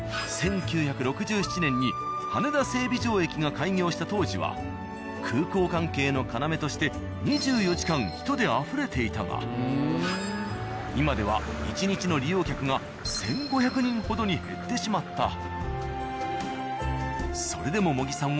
１９６７年に羽田整備場駅が開業した当時は空港関係の要として２４時間人であふれていたが今では１日の利用客が１５００人ほどに減ってしまった。